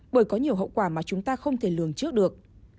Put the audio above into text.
bởi có nhiều hậu quả mà chúng ta không thể lường trước được